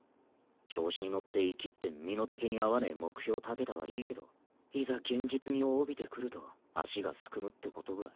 調子に乗ってイキって身の丈に合わねぇ目標立てたはいいけどいざ現実味を帯びてくると足がすくむってことぐらい。